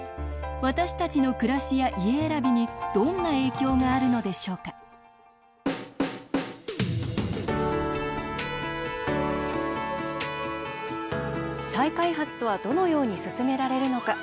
私たちの暮らしや家選びにどんな影響があるのでしょうか再開発とはどのように進められるのか。